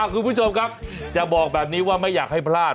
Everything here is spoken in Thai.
คุณผู้ชมครับจะบอกแบบนี้ว่าไม่อยากให้พลาด